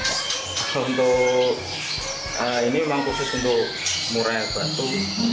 untuk ini memang khusus untuk murai batu